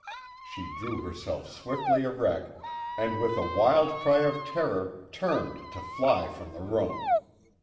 She drew herself swiftly erect, and with a wild cry of terror turned to fly from the room.